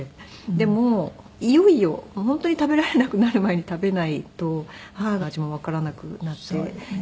でもいよいよ本当に食べられなくなる前に食べないと母の味もわからなくなってしまう。